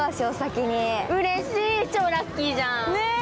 うれしい、超ラッキーじゃん。